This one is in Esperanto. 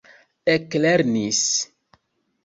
eklernis